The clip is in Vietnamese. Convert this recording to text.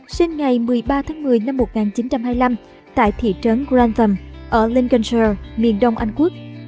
sinh ngày một mươi ba tháng một mươi năm một nghìn chín trăm hai mươi năm tại thị trấn grantham ở linken miền đông anh quốc